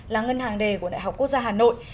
là ngân hàng đề của đại học quốc gia hà nội